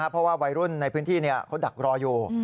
เพราะว่าวัยรุ่นในพื้นที่เขาดักรออยู่